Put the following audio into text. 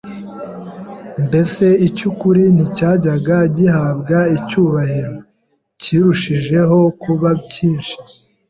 mbese icy’ukuri nticyajyaga guhabwa icyubahiro kirushijeho kuba cyinshi,